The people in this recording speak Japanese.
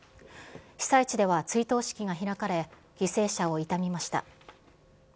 被災地では追悼式が開かれ、犠牲者を悼みました。